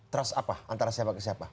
trust apa antara siapa ke siapa